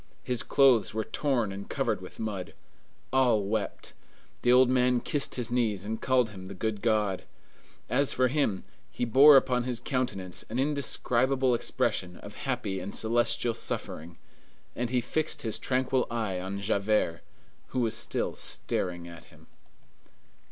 His clothes were torn and covered with mud. All wept. The old man kissed his knees and called him the good God. As for him, he bore upon his countenance an indescribable expression of happy and celestial suffering, and he fixed his tranquil eye on Javert, who was still staring at him.